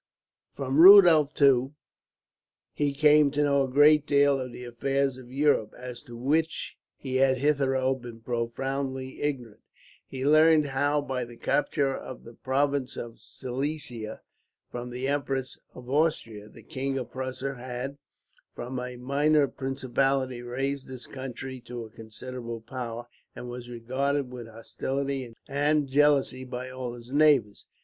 From Rudolph, too, he came to know a great deal of the affairs of Europe, as to which he had hitherto been profoundly ignorant. He learned how, by the capture of the province of Silesia from the Empress of Austria, the King of Prussia had, from a minor principality, raised his country to a considerable power, and was regarded with hostility and jealousy by all his neighbours.